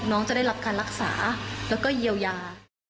จะได้รับการรักษาแล้วก็เยียวยา